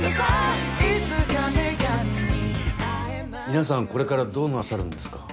皆さんこれからどうなさるんですか？